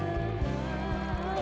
engkau luar biasa